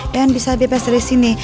dan bisa bebas dari sini